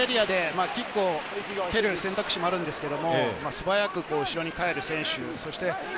キックを蹴る選択肢もあるんですけれど、素早く後ろに帰る選手。